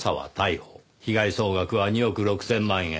被害総額は２億６千万円。